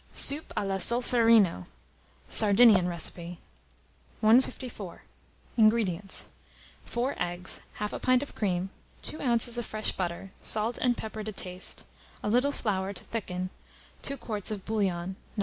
SOUP A LA SOLFERINO (Sardinian Recipe). 154. INGREDIENTS. 4 eggs, 1/2 pint of cream, 2 oz. of fresh butter, salt and pepper to taste, a little flour to thicken, 2 quarts of bouillon, No.